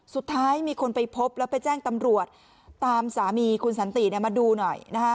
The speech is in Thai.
สุดท้ายมีคนไปพบแล้วไปแจ้งตำรวจตามสามีคุณสันติมาดูหน่อย